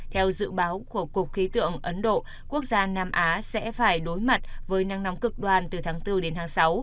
theo dự báo của cục khí tượng ấn độ quốc gia nam á sẽ phải đối mặt với nắng nóng cực đoàn từ tháng bốn đến tháng sáu